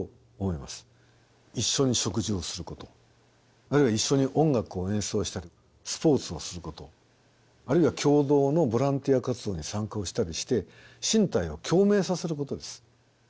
一緒に食事をすることあるいは一緒に音楽を演奏したりスポーツをすることあるいは共同のボランティア活動に参加をしたりして身体を共鳴させることです。